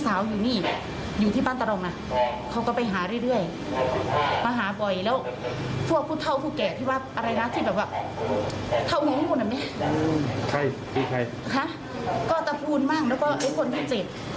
ใครใครใครฮะก็แต่พูดมากแล้วก็ไอ้คนที่เจ็บ